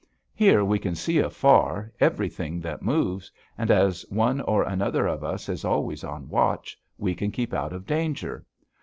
Here we can see afar everything that moves, and as one or another of us is always on watch, we can keep out of danger.